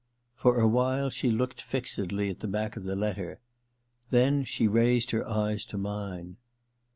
For a while she looked fixedly at the back of the letter ; then she raised her eyes to mine.